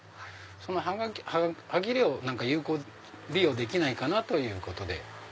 その端切れを有効利用できないかということで。